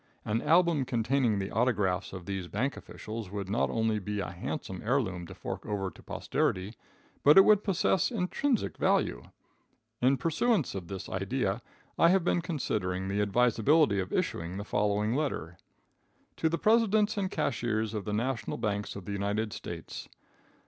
An album containing the autographs of these bank officials would not only be a handsome heirloom to fork over to posterity, but it would possess intrinsic value. In pursuance of this idea, I have been considering the advisability of issuing the following letter: To the Presidents and Cashiers of the National Banks of the United States.